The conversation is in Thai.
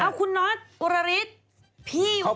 เอ้าคุณนอทโอราฬิสพี่อยู่ใกล้ชิดมาก